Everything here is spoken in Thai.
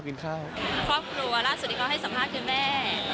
ครอบครัวล่าสุดที่เขาให้สัมภาษณ์คือแม่